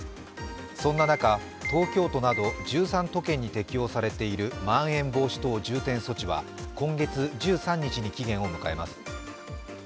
そんな中、東京都など１３都県に適用されているまん延防止等重点措置は今月１３日に期限を迎えます。